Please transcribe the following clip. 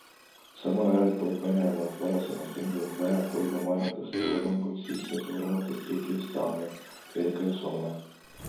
Samal ajal toob Venemaalt varasemast tunduvalt vähem põllumajandustoodangut sisse suurematest riikidest Taani, Kreeka ja Soome.